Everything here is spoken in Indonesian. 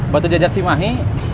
batu jajar cimahi